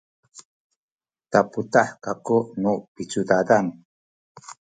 taputah kaku nu picudadan